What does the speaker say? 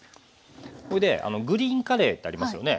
グリーンカレーってありますよね？